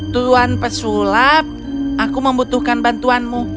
tuan pesulap aku membutuhkan bantuanmu